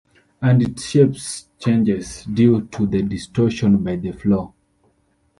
And its shape changes due to the distortion by the flow.